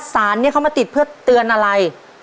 สารนี้เขามาติดเพื่อเตือนอะไร